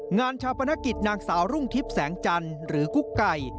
งานชาปนกิจนางสาวรุ่งทิพย์แสงจันทร์หรือกุ๊กไก่